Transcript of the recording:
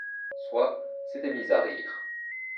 François s'était mis à rire.